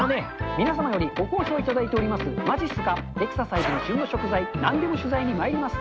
皆様よりご好評いただいております、まじっすか、エクササイズに旬の食材、なんでも取材にまいります。